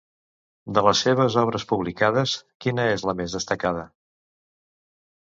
De les seves obres publicades, quina és la més destacada?